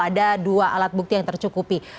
ada dua alat bukti yang tercukupi